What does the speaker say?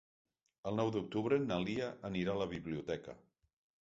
El nou d'octubre na Lia anirà a la biblioteca.